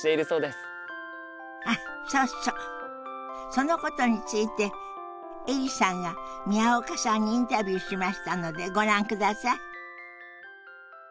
そのことについてエリさんが宮岡さんにインタビューしましたのでご覧ください。